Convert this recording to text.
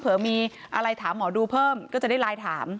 เผื่อมีอะไรถามหมอดูเพิ่มก็จะได้ไลน์ถาม